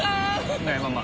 ねえママ。